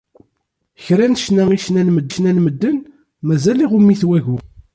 Kra n ccna i ccnan medden, mazal iɣumm-it wagu.